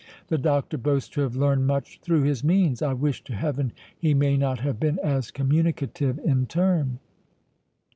—The doctor boasts to have learned much through his means; I wish to Heaven he may not have been as communicative in turn."